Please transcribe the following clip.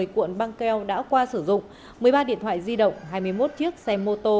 một mươi cuộn băng keo đã qua sử dụng một mươi ba điện thoại di động hai mươi một chiếc xe mô tô